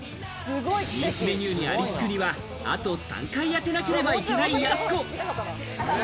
人気メニューにありつくには、あと３回当てなければいけないやす子。